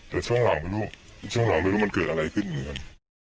แต่ช่วงหลังช่วงเราไม่รู้มันเกิดอะไรขึ้นเหมือนกัน